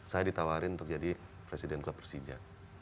saya ditawarin untuk jadi presiden klub persija